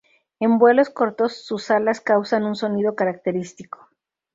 En vuelos cortos sus alas causan un sonido característico.